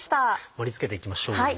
盛り付けていきましょう。